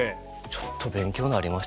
ちょっと勉強になりましたね。